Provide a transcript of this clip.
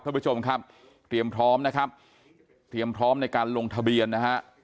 ท่านผู้ชมครับเตรียมพร้อมนะครับเตรียมพร้อมในการลงทะเบียนนะฮะ